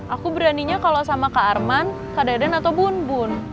aku beraninya kalau sama kak arman kak deden atau bun bun